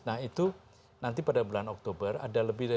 nah itu nanti pada bulan oktober ada lebih dari dua ratus lima puluh